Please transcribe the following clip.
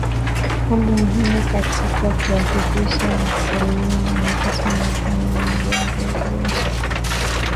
mambo muhimu katika kuhakikisha mmkulima anapata mavuno mengi ya viazi lishe